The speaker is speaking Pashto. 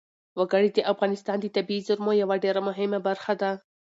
وګړي د افغانستان د طبیعي زیرمو یوه ډېره مهمه برخه ده.